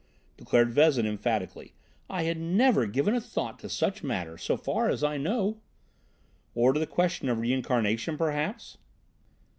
declared Vezin emphatically. "I had never given a thought to such matters so far as I know—" "Or to the question of reincarnation, perhaps?"